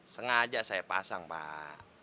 sengaja saya pasang pak